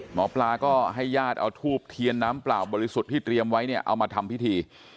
หมอปลาก็ให้ญาติเอาทูบเทียนน้ำเปล่าบริสุทธิ์ที่เตรียมไว้เนี่ยเอามาทำพิธี